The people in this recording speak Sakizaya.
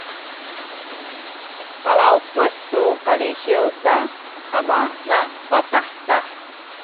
palawpes tu kalisiw sa amana patahtah